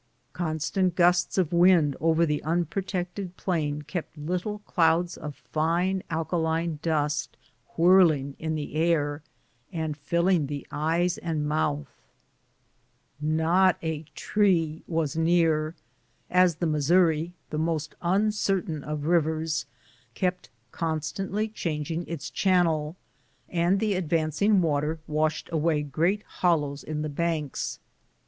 Constant gusts of wind over the unprotected plain kept little clouds of fine alkaline dust whirling in the air and filling the eyes and mouth; not a tree was near, as the Missouri — that most uncertain of rivers — kept constantly changing its chan nel, and the advancing water washed away great hollows in the banks.